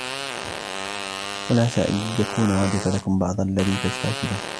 قل عسى أن يكون ردف لكم بعض الذي تستعجلون